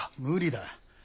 無理だ。